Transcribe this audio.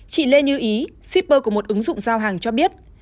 chị lê như ý shipper của một ứng dụng giao hàng cho biết